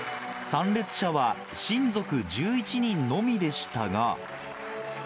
参列者は親族１１人のみでしたが。